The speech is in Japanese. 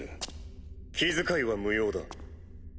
気遣いは無用だ。